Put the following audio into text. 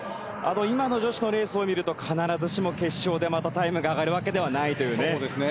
今の女子のレースを見ると必ずしも決勝でタイムがまた上がるわけではないという。